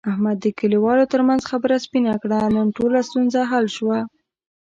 احمد د کلیوالو ترمنځ خبره سپینه کړه. نن ټوله ستونزه حل شوه.